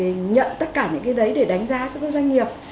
và người nhận tất cả những cái đấy để đánh giá cho các doanh nghiệp